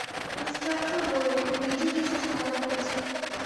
Instructor বললেন, ব্রিজে কিছু ঝামেলা হয়েছে।